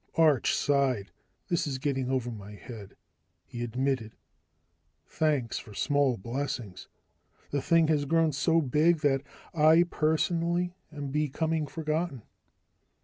Arch sighed. "This is getting over my head," he admitted. "Thanks for small blessings: the thing has grown so big that I, personally, am becoming forgotten."